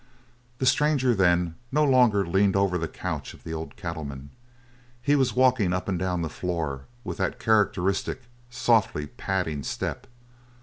The stranger, then, no longer leaned over the couch of the old cattleman. He was walking up and down the floor with that characteristic, softly padding step.